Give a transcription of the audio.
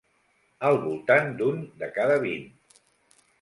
Al voltant d'un de cada vint.